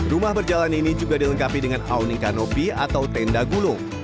rumah berjalan ini juga dilengkapi dengan awning kanopi atau tenda gulung